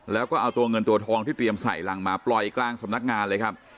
แล้วก็เอาตัวเงินตัวทองที่เตรียมใส่รังมาปล่อยกลางสำนักงานเลยครับ